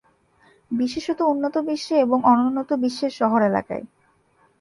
বিশেষত উন্নত বিশ্বে এবং অনুন্নত বিশ্বের শহর এলাকায়।